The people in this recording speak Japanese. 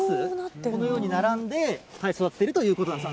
このように並んで育っているということなんですね。